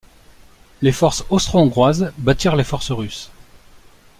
Les forces austro-hongroises battirent les forces russes.